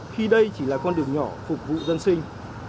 khi đây chỉ là con đường nhỏ phục vụ dân sinh